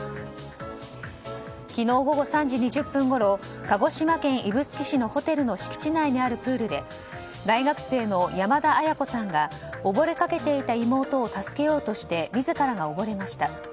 昨日午後３時２０分ごろ鹿児島県指宿市のホテルの敷地内にあるプールで大学生の山田絢子さんが溺れかけていた妹を助けようとして自らが溺れました。